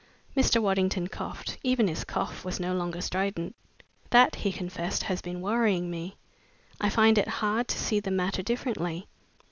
Mr. Waddington coughed. Even his cough was no longer strident. "That," he confessed, "has been worrying me. I find it hard to see the matter differently.